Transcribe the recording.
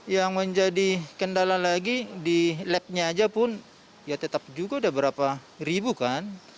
yang menjadi kendala lagi di labnya aja pun ya tetap juga udah berapa ribu kan